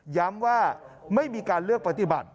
ย้ำว่าไม่มีการเลือกปฏิบัติ